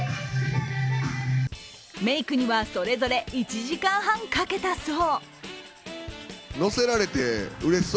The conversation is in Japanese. メークにはそれぞれ１時間半かけたそう。